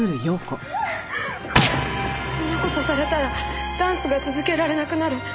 そんな事されたらダンスが続けられなくなる。